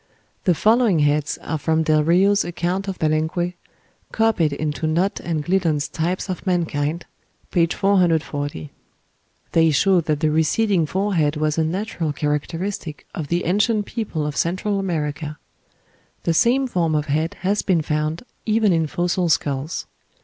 The following heads are from Del Rio's "Account of Palenque," copied into Nott and Gliddon's "Types of Mankind," p. 440. They show that the receding forehead was a natural characteristic of the ancient people of Central America. The same form of head has been found even in fossil skulls.